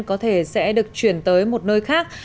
có thể sẽ được chuyển tới một nội dung